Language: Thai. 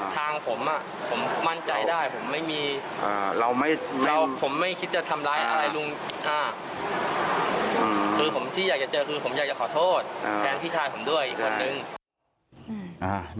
ทางผมมั่นใจได้ผมไม่มีผมไม่คิดจะทำร้ายอะไรที่อยากจะเจอคือขอโทษแท้พี่ชายผมด้วยอีกคนนึง